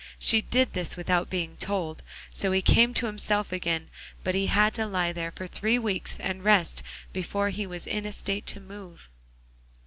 She did this without being told; so he came to himself again, but he had to lie there for three weeks and rest before he was in a state to move.